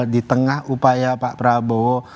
di tengah upaya pak prabowo